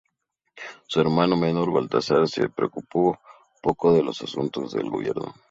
Su hermano menor, Baltasar se preocupó poco de los asuntos del gobierno.